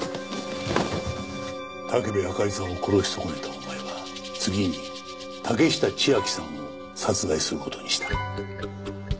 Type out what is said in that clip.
武部あかりさんを殺し損ねたお前は次に竹下千晶さんを殺害する事にした。